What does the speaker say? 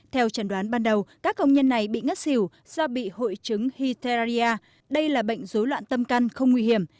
theo trần đoán ban đầu các công nhân này bị ngất xỉu do bị hội chứng hitteria đây là bệnh dối loạn tâm căn không nguy hiểm